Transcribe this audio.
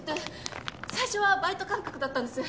最初はバイト感覚だったんです。